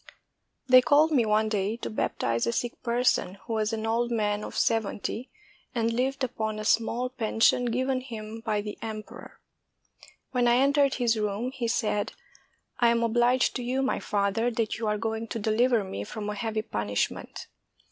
] They called me one day to baptize a sick person, who was an old man of seventy, and lived upon a small pen sion given him by the emperor. When I entered his room, he said, *'I am obliged to you, my father, that you are going to deliver me from a heavy punishment."